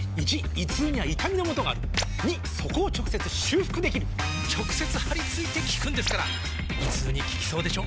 ①胃痛には痛みのもとがある②そこを直接修復できる直接貼り付いて効くんですから胃痛に効きそうでしょ？